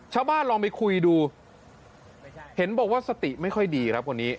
ลองไปคุยดูเห็นบอกว่าสติไม่ค่อยดีครับคนนี้